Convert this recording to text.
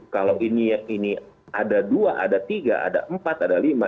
kalau ini ada dua ada tiga ada empat ada lima